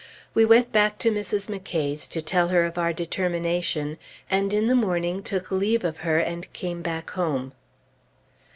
We went back to Mrs. McCay's, to tell her of our determination, and in the morning took leave of her and came back home.